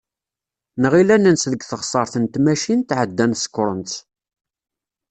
Nɣill ad nens deg teɣsert n tmacint, ɛeddan sekkṛen-tt.